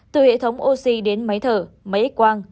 từ hệ thống oxy đến máy thở máy x quang